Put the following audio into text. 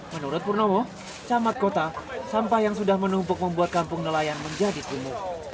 menurut purnomo camat kota sampah yang sudah menumpuk membuat kampung nelayan menjadi sumur